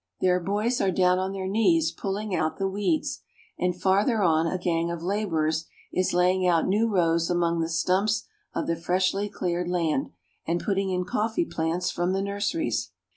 There boys are down on their knees pulling out the weeds, and farther on a gang of laborers is laying out new rows among the stumps of the freshly cleared land, and putting in coffee plants from the nurseries.